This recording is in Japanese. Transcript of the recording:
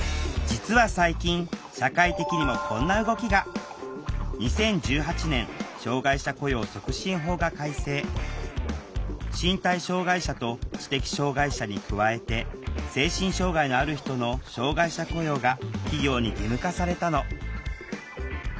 実は最近社会的にもこんな動きが身体障害者と知的障害者に加えて精神障害のある人の障害者雇用が企業に義務化されたの。